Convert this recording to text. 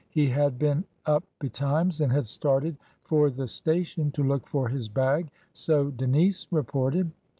He had been up betimes and had started for the station to look for his bag, so Denise reported.